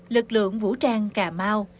lực lượng vũ trang cà mau